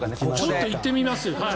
ちょっと行ってみます。